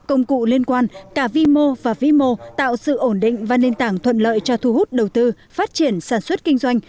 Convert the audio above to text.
công cụ liên quan cả vi mô và vi mô tạo sự ổn định và nền tảng thuận lợi cho thu hút đầu tư phát triển sản xuất kinh doanh